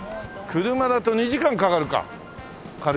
車だと２時間かかるか軽井沢。